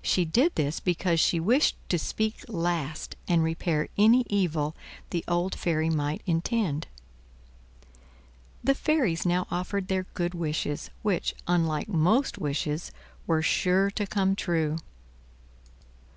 She did this because she wished to speak last and repair any evil the old fairy might intend. The fairies now offered their good wishes, which, unlike most wishes, were sure to come true.